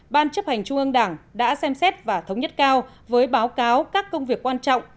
ban chấp hành trung ương đảng đã xem xét và thống nhất cao với báo cáo các công việc quan trọng